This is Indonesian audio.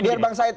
biar bang said